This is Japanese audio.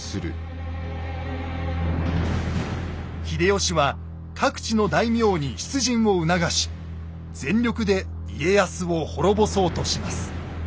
秀吉は各地の大名に出陣を促し全力で家康を滅ぼそうとします。